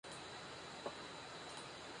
De estos, catorce cantan a la virgen María.